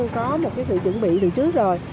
có một sự chuẩn bị từ trước rồi